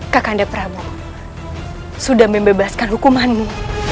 kakanda pramu sudah membebaskan hukumanmu